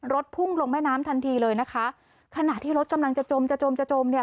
พุ่งลงแม่น้ำทันทีเลยนะคะขณะที่รถกำลังจะจมจะจมจะจมเนี่ย